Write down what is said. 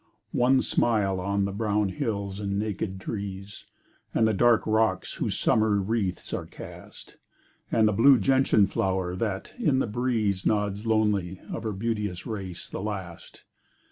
One smile on the brown hills and naked trees, And the dark rocks whose summer wreaths are cast, And the blue gentian flower, that, in the breeze, Nods lonely, of her beauteous race the last.